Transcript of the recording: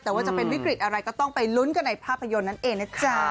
แต่ว่าจะเป็นวิกฤตอะไรก็ต้องไปลุ้นกันในภาพยนตร์นั่นเองนะจ๊ะ